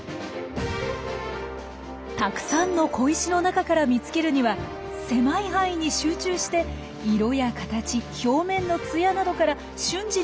たくさんの小石の中から見つけるには狭い範囲に集中して色や形表面のつやなどから瞬時に見分けていく必要があります。